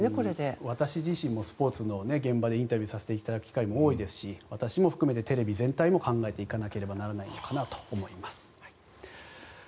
私自身もスポーツの現場でインタビューさせていただく機会も多いですし私も含めてテレビ全体でも考えていかなければならないのかなと思います。